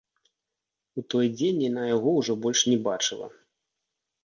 У той дзень яна яго ўжо больш не бачыла.